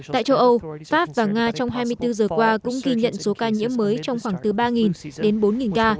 tại châu âu pháp và nga trong hai mươi bốn giờ qua cũng ghi nhận số ca nhiễm mới trong khoảng từ ba đến bốn ca